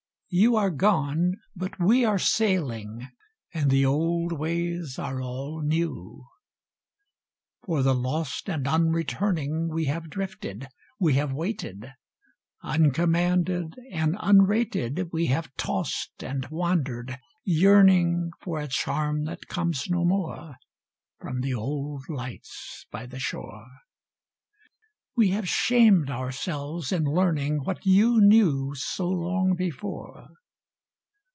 You are gone, but we are sailing. And the old ways are all new. iiooi For the Lost and Unretuming We have drifted, we have waited; Uncommanded and unrated, We have tossed and wandered, yearning For a charm that comes no more From the old lights by the shore: We have shamed ourselves in learning What you knew so long before.